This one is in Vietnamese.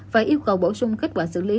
và yêu cầu bổ sung kết quả xử lý